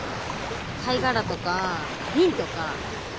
貝殻とかビンとか。